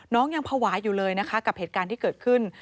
ยังภาวะอยู่เลยนะคะกับเหตุการณ์ที่เกิดขึ้น